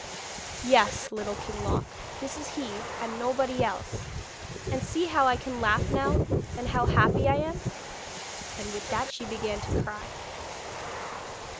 'Yes, Little King Loc, this is he and nobody else! And see how I can laugh now, and how happy I am!' And with that she began to cry.